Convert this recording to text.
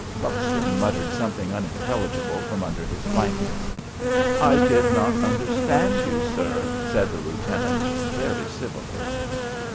Buxton muttered something unintelligible from under his blankets. "I did not understand you, sir," said the lieutenant, very civilly.